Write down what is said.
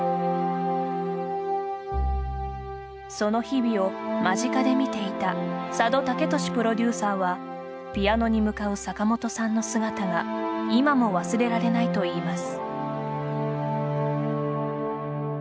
その日々を間近で見ていた佐渡岳利プロデューサーはピアノに向かう坂本さんの姿が今も忘れられないといいます。